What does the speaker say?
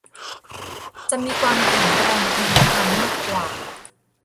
จะมีความแข็งแรงทนทานมากกว่า